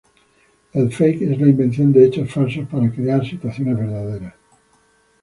El fake es la invención de hechos falsos para crear situaciones verdaderas.